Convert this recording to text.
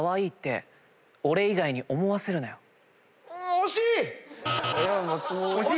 惜しい！